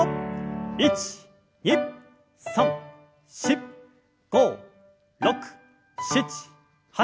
１２３４５６７８。